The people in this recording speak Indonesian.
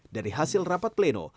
dari hasil rapat pleno